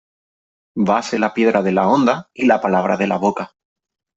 Vase la piedra de la honda y la palabra de la boca.